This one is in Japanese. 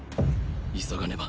急がねば。